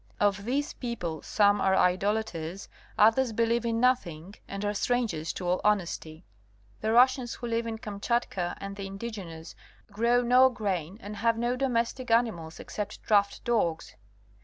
Of these people some are idolaters, others believe in nothing and are strangers to all honesty. The Russians who live in Kamchatka and the indigenes grow no grain and have no domestic animals except draught dogs.